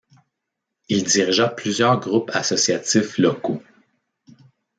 Il dirigea plusieurs groupes associatifs locaux.